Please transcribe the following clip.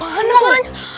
oh mana suaranya